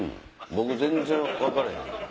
僕全然分からへん。